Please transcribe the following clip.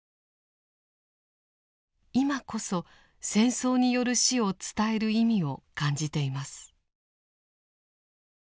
今こそ戦争による死を伝える意味を感じています。